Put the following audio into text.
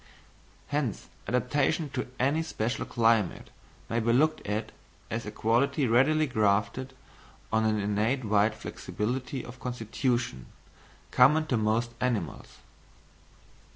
Hence adaptation to any special climate may be looked at as a quality readily grafted on an innate wide flexibility of constitution, common to most animals.